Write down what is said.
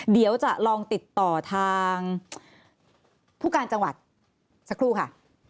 เดี๋ยวจะลองติดต่อทางผู้การจังหวัดสักครู่ค่ะ